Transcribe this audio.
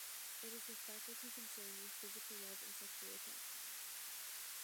It is the faculty concerned with physical love and sexual attraction.